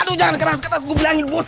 aduh jangan keras keras gue bilangin bos